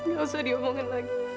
gak usah diomongin lagi